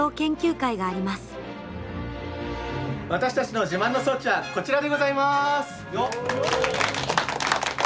私たちの自慢の装置はこちらでございます！